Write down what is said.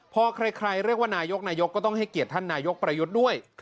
พอใครเรียกว่านายกนายกก็ต้องให้เกียรติท่านนายกประยุทธ์ด้วย